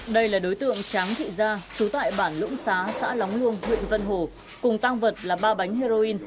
đây là đối tượng tráng thị gia chú tại bản lũng xá xã lóng luông huyện vân hồ cùng tăng vật là ba bánh heroin